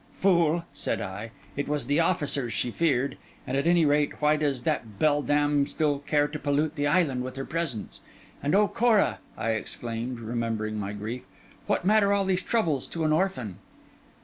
'Fool,' said I, 'it was the officers she feared; and at any rate why does that beldam still dare to pollute the island with her presence? And O Cora,' I exclaimed, remembering my grief, 'what matter all these troubles to an orphan?